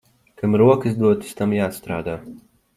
Kam rokas dotas, tam jāstrādā.